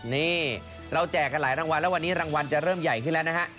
นี่เราแจกกันหลายรางวัลแล้ววันนี้รางวัลจะเริ่มใหญ่ขึ้นแล้วนะฮะ